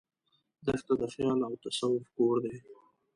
دښته د خیال او تصوف کور دی.